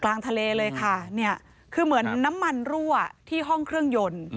กลางทะเลเลยค่ะเนี่ยคือเหมือนน้ำมันรั่วที่ห้องเครื่องยนต์